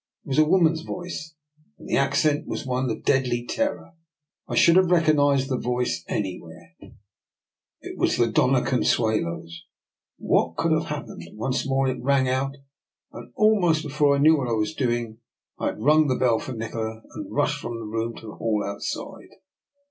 It was a woman's voice, and the accent was one of deadly terror. I should have recognised the voice anywhere. It was DR. NIKOLA'S EXPERIMENT. 195 the Dona Consuelo's. What could have hap pened? Once more it rang out, and almost before I knew what I was doing I had rung the bell for Nikola, and had rushed from the room into the hall outside.